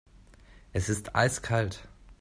Es ist eiskalt.